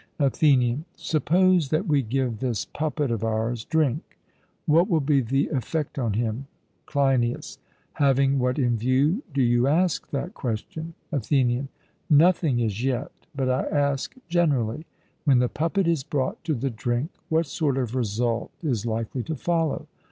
ATHENIAN: Suppose that we give this puppet of ours drink, what will be the effect on him? CLEINIAS: Having what in view do you ask that question? ATHENIAN: Nothing as yet; but I ask generally, when the puppet is brought to the drink, what sort of result is likely to follow.